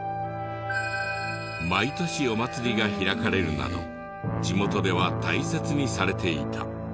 毎年お祭りが開かれるなど地元では大切にされていた。